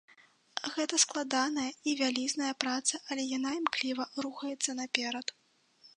Гэта складаная і вялізная праца, але яна імкліва рухаецца наперад.